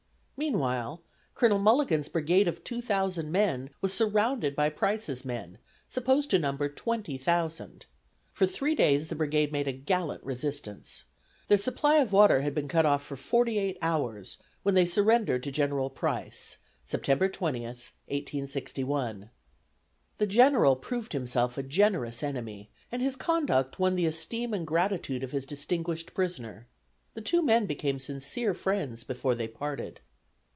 Meanwhile Colonel Mulligan's brigade of two thousand men was surrounded by Price's men, supposed to number twenty thousand. For three days the brigade made a gallant resistance. Their supply of water had been cut off for forty eight hours, when they surrendered to General Price, September 20, 1861. The General proved himself a generous enemy, and his conduct won the esteem and gratitude of his distinguished prisoner. The two men became sincere friends before they parted.